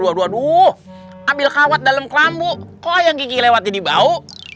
aduh aduh ambil kawat dalam kelambu kok yang kiki lewatin dibau